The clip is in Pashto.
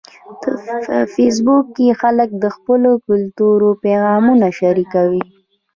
په فېسبوک کې خلک د خپلو کلتورونو پیغامونه شریکوي